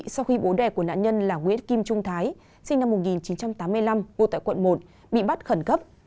sau khi bố đẻ của nạn nhân là nguyễn kim trung thái sinh năm một nghìn chín trăm tám mươi năm ngụ tại quận một bị bắt khẩn cấp